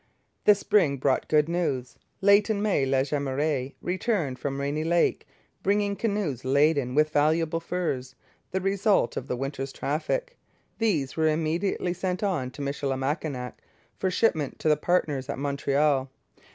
The spring brought good news. Late in May La Jemeraye returned from Rainy Lake, bringing canoes laden with valuable furs, the result of the winter's traffic. These were immediately sent on to Michilimackinac, for shipment to the partners at Montreal.